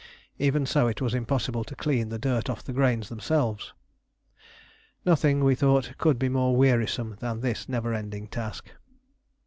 Even so it was impossible to clean the dirt off the grains themselves. Nothing, we thought, could be more wearisome than this never ending task.